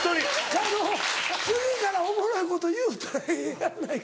狩野次からおもろいこと言うたらええやないか。